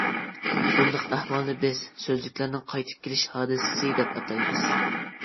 بۇنداق ئەھۋالنى بىز «سۆزلۈكلەرنىڭ قايتىپ كېلىش ھادىسىسى» دەپ ئاتايمىز.